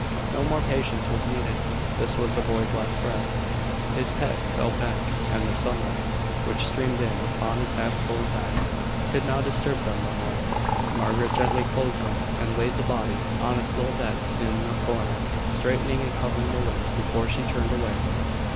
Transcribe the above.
No more patience was needed. This was the boy's last breath. His head fell back, and the sunlight, which streamed in upon his half closed eyes, could now disturb them no more. Margaret gently closed them and laid the body on its little bed in the corner, straightening and covering the limbs before she turned away.